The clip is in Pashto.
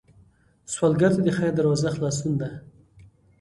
سوالګر ته د خیر دروازه خلاصون ده